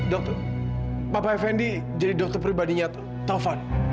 dokter papa effendi jadi dokter pribadinya tovan